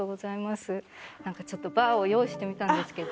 何かちょっとバーを用意してみたんですけど。